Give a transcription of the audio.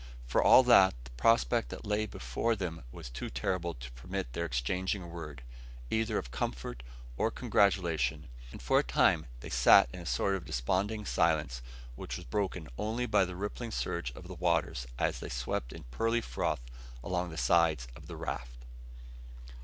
For all that, the prospect that lay before them was too terrible to permit their exchanging a word, either of comfort or congratulation, and for a long time they sat in a sort of desponding silence, which was broken only by the rippling surge of the waters as they swept in pearly froth along the sides of the raft.